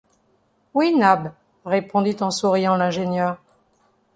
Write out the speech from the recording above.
Oui, Nab, répondit en souriant l’ingénieur.